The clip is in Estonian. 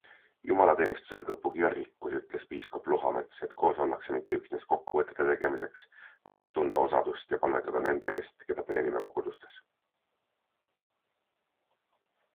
Jumalateenistusel Kõpu kirikus ütles piiskop Luhamets, et koos ollakse mitte üksnes kokkuvõtete tegemiseks, vaid et tunda osadust ja palvetada nende eest, keda teenime kogudustes.